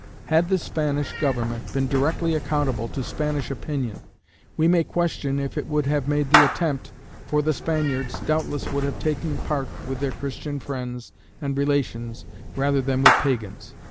Had the Spanish government been directly accountable to Spanish opinion, we may question if it would have made the attempt, for the Spaniards, doubtless, would have taken part with their Christian friends and relations rather than with pagans.